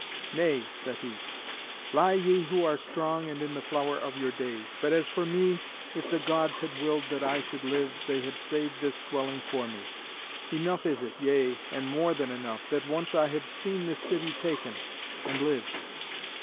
"Nay," said he, "fly ye who are strong and in the flower of your days. But as for me, if the Gods had willed that I should live, they had saved this dwelling for me. Enough is it, yea, and more than enough, that once I have seen this city taken, and lived.